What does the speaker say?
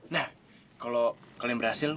nah kalo kalian berhasil